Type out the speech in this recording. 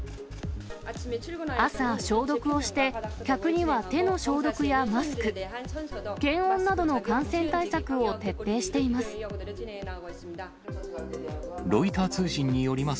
朝消毒をして、客には手の消毒やマスク、検温などの感染対策を徹底しています。